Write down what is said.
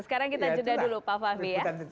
sekarang kita jeda dulu pak fahmi ya